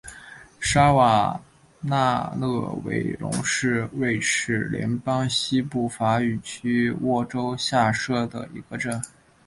沙瓦讷勒维龙是瑞士联邦西部法语区的沃州下设的一个镇。